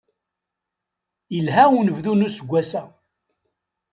Ilha unebdu n useggas-a.